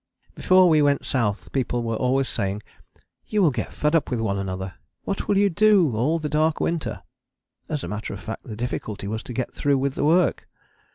Before we went South people were always saying, "You will get fed up with one another. What will you do all the dark winter?" As a matter of fact the difficulty was to get through with the work.